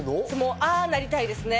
ああなりたいですね。